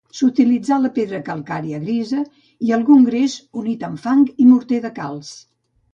S'utilitzà la pedra calcària grisa i algun gres unit amb fang i morter de calç.